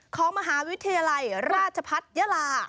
ของมหาวิทยาลัยราชพัฒนยาลา